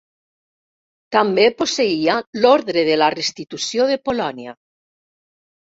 També posseïa l'Orde de la Restitució de Polònia.